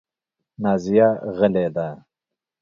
نازیه غلې ده .